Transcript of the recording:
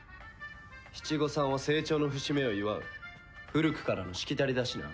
七五三は成長の節目を祝う古くからのしきたりだしな。